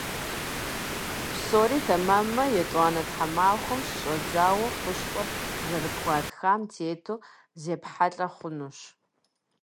Псори тэмэммэ, етӀуанэ тхьэмахуэм щыщӀэдзауэ хущхъуэр зэрыпхуатхам тету зэпхьэлӏэ хъунущ.